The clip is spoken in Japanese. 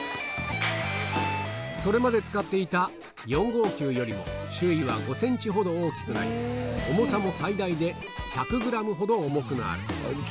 それまで使っていた４号球よりも周囲は５センチほど大きくなり、重さも最大で１００グラムほど重くなる。